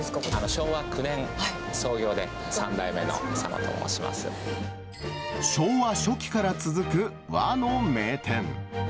昭和９年創業で、３代目の佐昭和初期から続く和の名店。